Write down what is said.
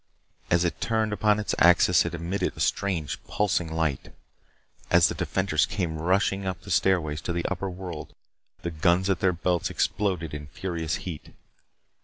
As it turned upon its axis, it emitted a strange pulsing light. As the defenders came rushing up the stairways to the upper world, the guns at their belts exploded in furious heat.